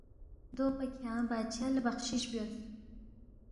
دو پا کھیانگ بادشاہ لہ بخشِس بیوس